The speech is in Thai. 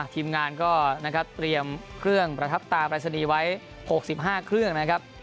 ทีมงานก็นะครับเตรียมเครื่องประทับตาปรายศนีย์ไว้๖๕เครื่องนะครับ